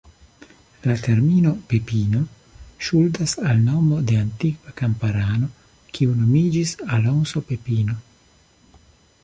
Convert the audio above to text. La termino "Pepino" ŝuldas al nomo de antikva kamparano kiu nomiĝis Alonso Pepino.